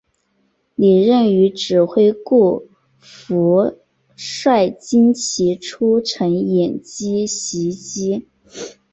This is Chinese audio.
李任与指挥顾福帅精骑出城掩击袭击。